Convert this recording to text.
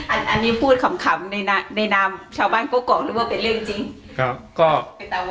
อันนี้พูดขำในนามชาวบ้านกล้องกล่องหรือว่าเป็นเรื่องจริง